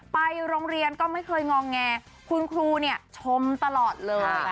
ไปโรงเรียนก็ไม่เคยงอแงคุณครูเนี่ยชมตลอดเลย